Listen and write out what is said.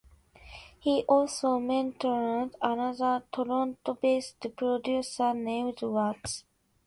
He also mentored another Toronto-based producer named Watts.